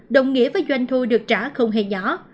đồng nghĩa với doanh thu được trả không hề nhỏ